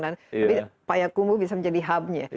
tapi payakumbu bisa menjadi hub nya